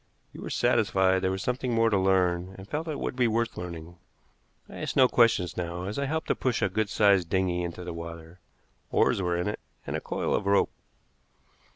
You were satisfied there was something more to learn, and felt it would be worth learning. I asked no questions now as I helped to push a good sized dinghy into the water. Oars were in it, and a coil of rope.